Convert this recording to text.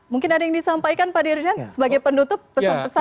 mungkin ada yang disampaikan pak dirjen sebagai penutup pesan pesan